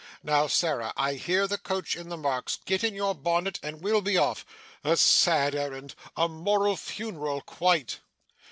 Now, Sarah, I hear the coach in the Marks; get on your bonnet, and we'll be off. A sad errand! a moral funeral, quite!